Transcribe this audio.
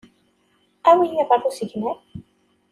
Awi-iyi ɣer usegnaf.